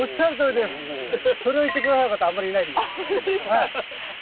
それを言って下さる方あんまりいないんです。